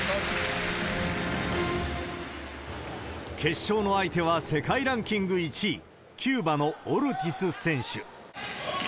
決勝の相手は世界ランキング１位、キューバのオルティス選手。